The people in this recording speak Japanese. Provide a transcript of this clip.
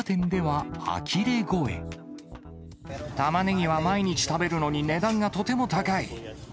タマネギは毎日食べるのに、値段がとても高い。